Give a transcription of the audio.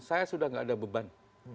saya sudah tidak ada beban